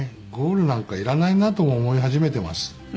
ゴールなんかいらないなとも思い始めてます。